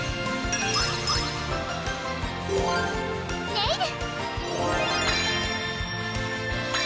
ネイル！